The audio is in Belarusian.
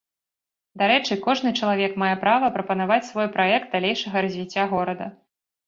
Дарэчы, кожны чалавек мае права прапанаваць свой праект далейшага развіцця горада.